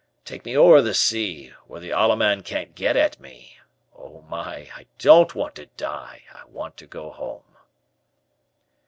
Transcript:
Take me over the sea, where the Allemand can't get at me. Oh my, I don't want to die! I want to go home."